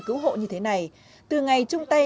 cứu hộ như thế này từ ngày trung tây